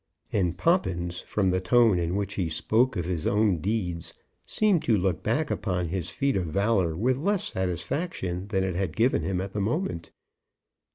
And Poppins, from the tone in which he spoke of his own deeds, seemed to look back upon his feat of valour with less satisfaction than it had given him at the moment.